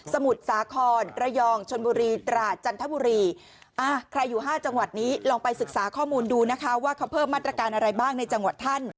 มุทรสาครระยองชนบุรีตราดจันทบุรีใครอยู่๕จังหวัดนี้ลองไปศึกษาข้อมูลดูนะคะว่าเขาเพิ่มมาตรการอะไรบ้างในจังหวัดท่าน